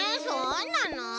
そうなの！